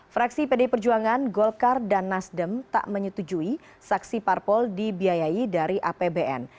fraksi pd perjuangan golkar dan nasdem tak menyetujui saksi parpol dibiayai dari apbn